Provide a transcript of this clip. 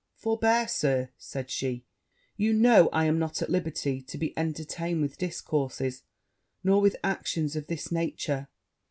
'Forbear, Sir,' said she; 'you know I am not at liberty to be entertained with discourses, or with actions, of this nature.